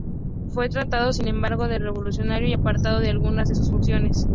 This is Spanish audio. Fue tratado, sin embargo, de revolucionario y apartado de algunas de sus funciones.